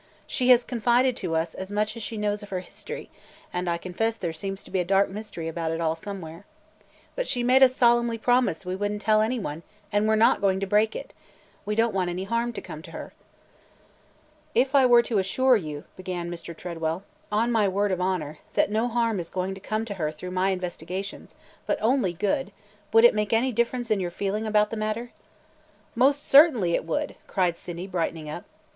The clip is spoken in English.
She has confided to us as much as she knows of her history, and I confess there seems to be a dark mystery about it all somewhere. But she made us solemnly promise we would n't tell any one and we 're not going to break it. We don't want harm to come to her." "If I were to assure you," began Mr. Tredwell, "on my word of honor, that no harm is going to come to her through my investigations, but only good, would it make any difference in your feeling about the matter?" "Most certainly it would!" cried Sydney, brightening up.